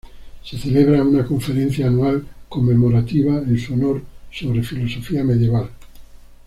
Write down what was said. Se celebra una conferencia anual conmemorativa en su honor sobre filosofía medieval.